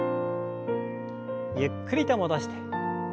ゆっくりと戻して。